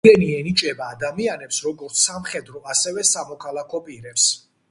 ორდენი ენიჭება ადამიანებს როგორც სამხედრო, ასევე სამოქალაქო პირებს.